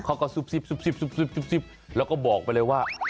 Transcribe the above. เขาก็ซุบซิบซุบซิบซุบซิบแล้วก็บอกไปเลยว่า